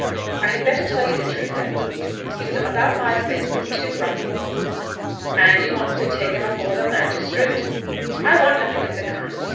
"I had better tell you the truth at once. He was about my place with two ruffians." "And you wants to take him afore the magistrate?" "I want nothing of the kind.